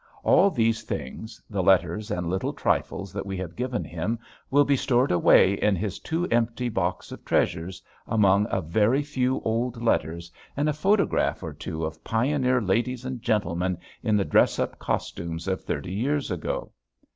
All these things, the letters and little trifles that we have given him will be stored away in his too empty box of treasures among a very few old letters and a photograph or two of pioneer ladies and gentlemen in the dress up costumes of thirty years ago.